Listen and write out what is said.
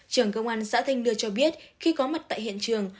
trưởng công an xã thanh đưa cho biết khi có mặt tại hiện trường